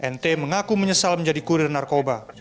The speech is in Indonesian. nt mengaku menyesal menjadi kurir narkoba